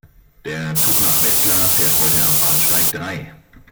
Der Zug nach Wetzlar fährt heute am Bahnsteig drei